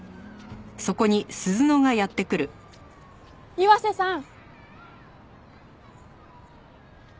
岩瀬さん！